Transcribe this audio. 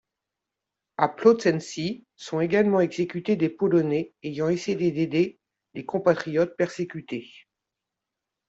À Plötzensee sont également exécutés des Polonais ayant essayé d'aider des compatriotes persécutés.